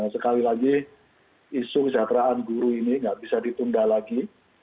sekali lagi isu kesejahteraan guru ini tidak bisa ditunda lagi